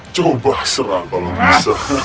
coba serah kalau bisa